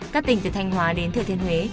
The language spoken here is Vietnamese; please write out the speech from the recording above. các tỉnh từ thanh hóa đến thừa thiên huế